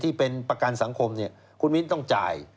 ที่เป็นประการสังคมเนี่ยคุณวิทย์ต้องจ่าย